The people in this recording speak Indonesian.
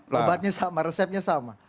rebatnya sama resepnya sama